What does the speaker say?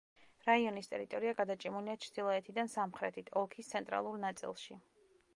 რაიონის ტერიტორია გადაჭიმულია ჩრდილოეთიდან სამხრეთით, ოლქის ცენტრალურ ნაწილში.